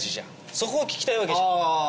そこを聞きたいわけじゃんあぁ！